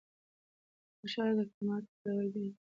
د هر شاعر د کلماتو کارول بېل وي.